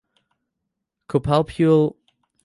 She played her junior rugby league for the Mt Druitt Lions.